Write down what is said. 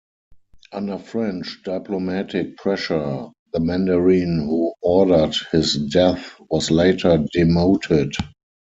Under French diplomatic pressure, the mandarin who ordered his death was later demoted.